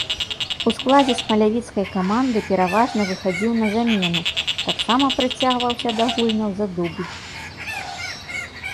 У складзе смалявіцкай каманды пераважна выхадзіў на замену, таксама прыцягваўся да гульняў за дубль.